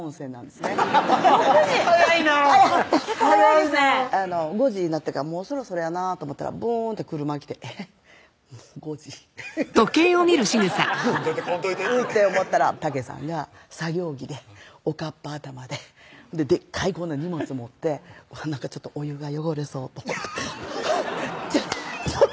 早いなぁ早いなぁ５時になったからもうそろそろやなぁと思ったらブーンって車が来てえぇっもう５時来んといて来んといてって思ったらたけさんが作業着でおかっぱ頭ででっかいこんな荷物持ってなんかお湯が汚れそうと思ってちょっちょっ